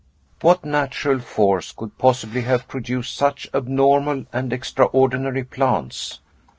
What natural force could possibly have produced such abnormal and extraordinary plants?